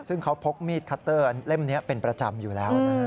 ซึ่งเขาพกมีดคัตเตอร์เล่มนี้เป็นประจำอยู่แล้วนะ